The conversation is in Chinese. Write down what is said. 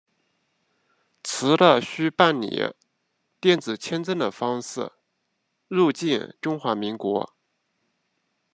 持的需办理电子签证的方式入境中华民国。